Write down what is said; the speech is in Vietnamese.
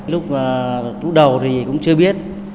lúc lúc đầu thì cũng chưa biết